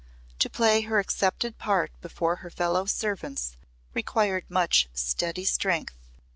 To play her accepted part before her fellow servants required much steady strength.